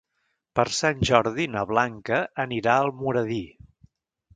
Per Sant Jordi na Blanca anirà a Almoradí.